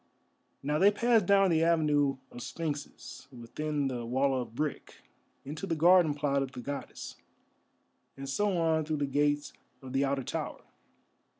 Now they passed down the avenue of sphinxes within the wall of brick, into the garden plot of the Goddess, and so on through the gates of the outer tower.